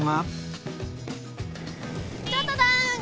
ちょっとターン！